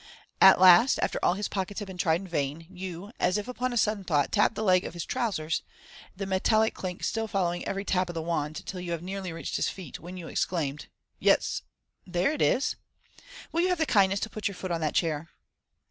At last, after all his pockets have Fig. 79. 170 MODERN MAGIC, been tried in vain, you, as if upon a sudden thought, tap the leg of his trousers, the metallic chink still following every tap of the wand till you have nearly reached his feet, when you exclaim, " Yes, there it is. Will you have the kindness to put your foot on that chair